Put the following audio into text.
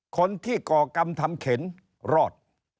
ก่อกรรมทำเข็นรอด